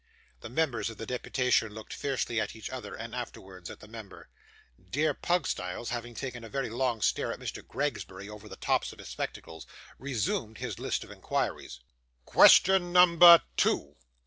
The members of the deputation looked fiercely at each other, and afterwards at the member. 'Dear Pugstyles' having taken a very long stare at Mr. Gregsbury over the tops of his spectacles, resumed his list of inquiries. 'Question number two.